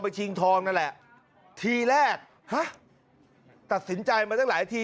ชิงทองนั่นแหละทีแรกฮะตัดสินใจมาตั้งหลายที